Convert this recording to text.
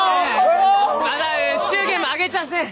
まだ祝言も挙げちゃあせん！